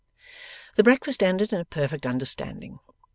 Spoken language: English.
The breakfast ended in a perfect understanding.